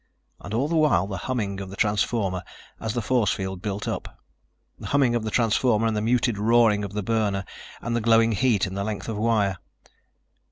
And all the while the humming of the transformer as the force field built up. The humming of the transformer and the muted roaring of the burner and the glowing heat in the length of wire.